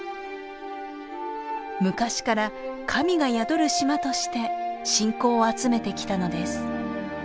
昔から神が宿る島として信仰を集めてきたのです。